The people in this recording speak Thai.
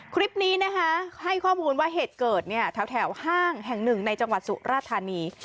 คลิปนี้นะคะให้ข้อมูลว่าเหตุเกิดเนี่ยแถวห้างแห่งหนึ่งในจังหวัดสุราธานี